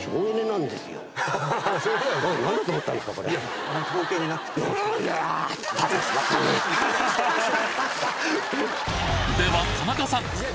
では田中さん！